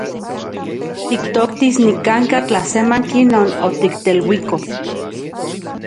Tiktoktis nikan’ka tlasemanki non otikteluiko.